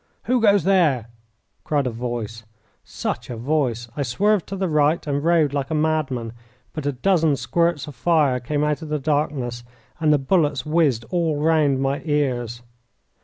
"Who goes there?" cried a voice such a voice! I swerved to the right and rode like a madman, but a dozen squirts of fire came out of the darkness, and the bullets whizzed all round my ears.